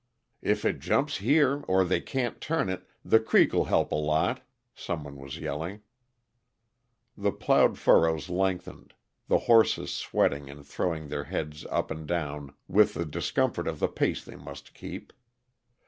"If it jumps here, or they can't turn it, the creek'll help a lot," some one was yelling. The plowed furrows lengthened, the horses sweating and throwing their heads up and down with the discomfort of the pace they must keep.